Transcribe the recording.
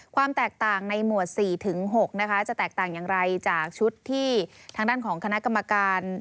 ความแตกต่างในหมวด๔๖นะคะจะแตกต่างอย่างไรจากชุดที่ทางด้านของคณะกรรมการ